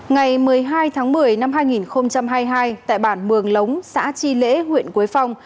ngày một mươi hai tháng một mươi năm hai nghìn hai mươi hai tại bản mường lống xã chi lễ huyện quế phong